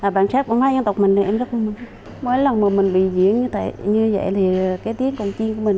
bản chất của mấy dân tộc mình mỗi lần mà mình bị diễn như vậy thì cái tiếng công chiêng của mình